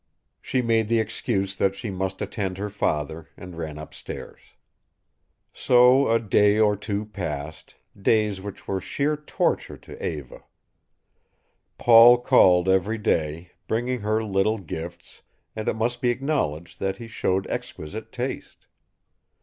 She made the excuse that she must attend her father, and ran up stairs. So a day or two passed, days which were sheer torture to Eva. Paul called every day, bringing her little gifts, and it must be acknowledged that he showed exquisite taste.